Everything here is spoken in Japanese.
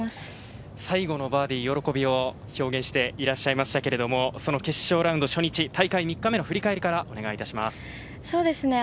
最後のバーディー、喜びを表現していらっしゃいましたけどその決勝ラウンド、初日大会３日目の振り返りからお願いします。